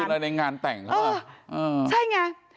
เอาคืนอะไรในงานแต่งครับเออใช่ไง